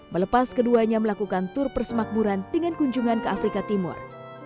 melepas keduanya melakukan tur persemakmuran dengan kunjungan ke afrika timur